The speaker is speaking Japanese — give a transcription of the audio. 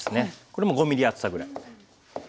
これも５ｍｍ厚さぐらい。